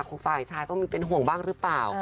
ฝ่ายชายก็มีเป็นห่วงบ้างหรือเปล่า